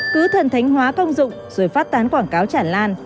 cứ thần thánh hóa công dụng rồi phát tán quảng cáo chản lan